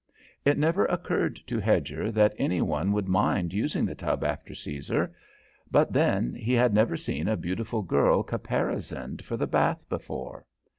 It had never occurred to Hedger that any one would mind using the tub after Caesar; but then, he had never seen a beautiful girl caparisoned for the bath before.